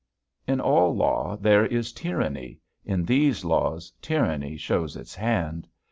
In all law there is tyranny, in these laws tyranny shows its hand.